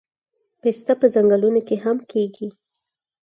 پسته په ځنګلونو کې هم کیږي